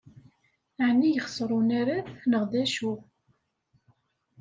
Ɛni yexṣer unarad neɣ d acu?